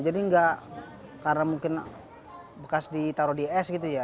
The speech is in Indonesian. jadi nggak karena mungkin bekas ditaruh di es gitu ya